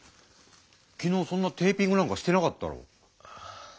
昨日そんなテーピングなんかしてなかったろ。